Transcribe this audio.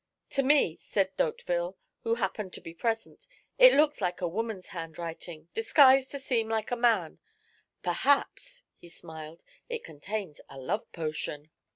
"To me," said D'Hauteville, who happened to be present, "it looks like a woman's handwriting, disguised to seem like a man's. Perhaps" he smiled "it contains a love potion."